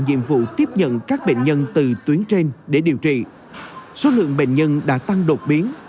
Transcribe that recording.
nhiệm vụ tiếp nhận các bệnh nhân từ tuyến trên để điều trị số lượng bệnh nhân đã tăng đột biến